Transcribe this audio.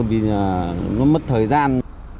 vì là nó mất thời gian